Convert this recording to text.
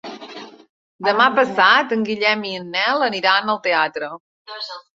Demà passat en Guillem i en Nel aniran al teatre.